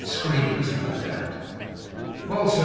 Screamers, no doubt. 'Well, sir!